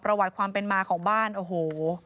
ประวัติความเป็นมาของบ้านโอ้โห